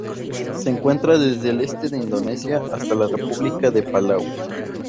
Se encuentra desde el este de Indonesia hasta República de Palau.